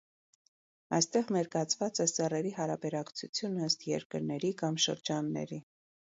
Այստեղ ներկայացված է սեռերի հարաբերակցությունը ըստ երկրների կամ շրջանների։